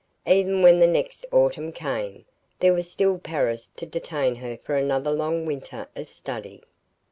Even when the next autumn came, there was still Paris to detain her for another long winter of study.